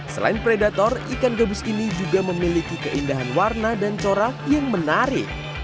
selain predator ikan gabus ini juga memiliki keindahan warna dan corak yang menarik